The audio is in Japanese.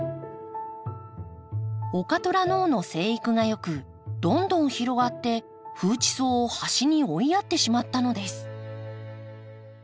オカトラノオの生育が良くどんどん広がってフウチソウを端に追いやってしまったのです。